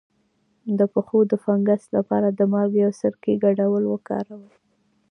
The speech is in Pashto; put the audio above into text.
د پښو د فنګس لپاره د مالګې او سرکې ګډول وکاروئ